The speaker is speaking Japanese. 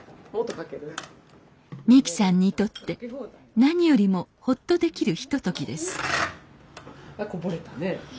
美紀さんにとって何よりもほっとできるひとときです